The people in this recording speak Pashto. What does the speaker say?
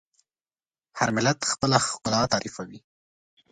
هر ملت خپله ښکلا تعریفوي.